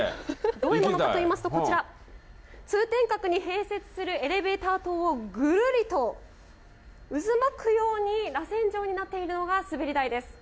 どういうことかといいますと、こちら、通天閣に併設するエレベーター塔をぐるりと渦巻くように、らせん状になっているのが滑り台です。